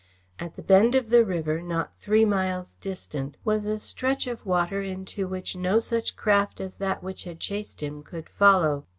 At the bend of the river, not three miles distant, was a stretch of water into which no such craft as that which had chased him could follow.